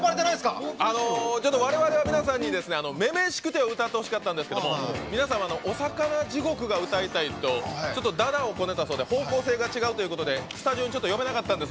われわれは皆さんに「女々しくて」を歌ってほしかったんですけど皆さんは「おさかな地獄」を歌いたいと、だだをこねたそうで方向性が違うということでスタジオにちょっと呼べなかったんです。